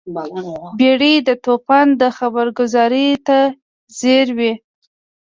بیړۍ د توپان خبرګذارۍ ته ځیر وي.